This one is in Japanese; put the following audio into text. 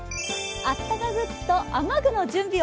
あったかグッズと雨具の準備を。